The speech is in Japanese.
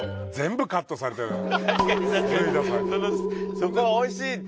そこはおいしいって。